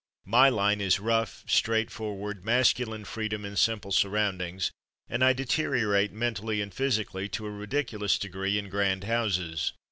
My line is rough, straight forward, masculine freedom in simple sur roundings, and I deteriorate, mentally and physically, to a ridiculous degree in grand houses.